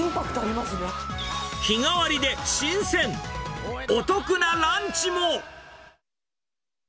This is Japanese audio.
日替わりで新鮮、お得なランチも。